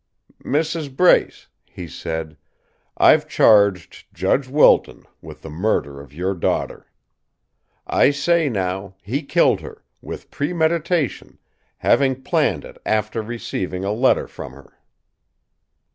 "Mrs. Brace," he said, "I've charged Judge Wilton with the murder of your daughter. I say now he killed her, with premeditation, having planned it after receiving a letter from her."